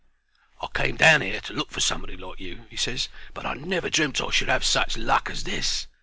"I came down 'ere to look for somebody like you," he ses, "but I never dreamt I should have such luck as this.